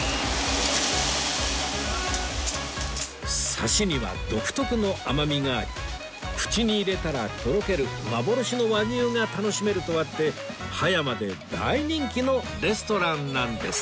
サシには独特の甘みがあり口に入れたらとろける幻の和牛が楽しめるとあって葉山で大人気のレストランなんです